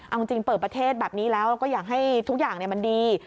เอาจริงเปิดประเทศแบบนี้แล้วก็อยากให้ทุกอย่างมันดี